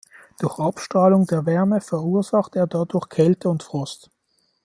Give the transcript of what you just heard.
Durch Abstrahlung der Wärme verursacht er dadurch Kälte und Frost.